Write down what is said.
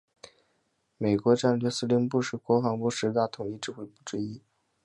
美国战略司令部是国防部十大统一指挥部之一。